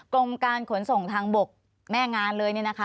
กรมการขนส่งทางบกแม่งานเลย